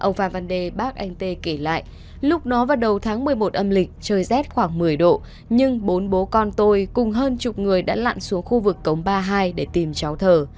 ông phạm văn đề bác anh t kể lại lúc đó vào đầu tháng một mươi một âm lịch trời rét khoảng một mươi độ nhưng bốn bố con tôi cùng hơn chục người đã lặn xuống khu vực cống ba mươi hai để tìm cháu thờ